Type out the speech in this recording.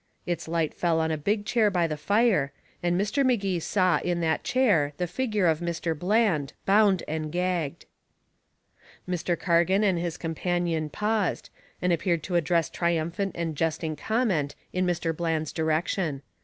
Its light fell on a big chair by the fire, and Mr. Magee saw in that chair the figure of Mr. Bland, bound and gagged. Mr. Cargan and his companion paused, and appeared to address triumphant and jesting comment in Mr. Bland's direction.